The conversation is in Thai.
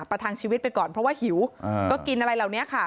ประทังชีวิตไปก่อนเพราะว่าหิวก็กินอะไรเหล่านี้ค่ะ